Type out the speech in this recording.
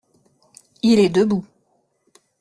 Il est debout.